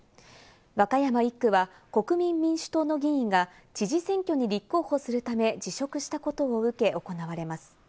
和歌山１区は国民民主党の議員が知事選挙に立候補するため辞職したことを受け行われます。